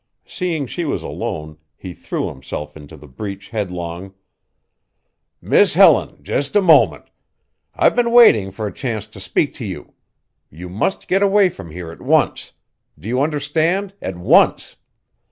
Seeing she was alone he threw himself into the breach headlong: "Miss Helen, just a moment. I've been waiting for a chance to speak to you. You must get away from here at once. Do you understand at once!